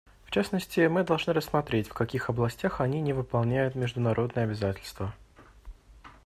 В частности, мы должны рассмотреть, в каких областях они не выполняют международные обязательства.